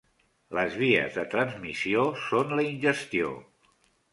Les vies de transmissió són la ingestió.